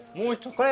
これ。